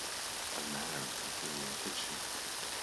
A man cooking in a kitchen.